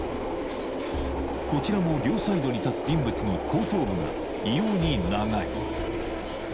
こちらも両サイドに立つ人物の後頭部が異様に長い